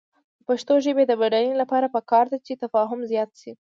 د پښتو ژبې د بډاینې لپاره پکار ده چې تفاهم زیات شي.